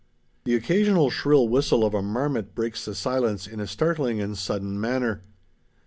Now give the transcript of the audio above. The occasional shrill whistle of a marmot breaks the silence in a startling and sudden manner.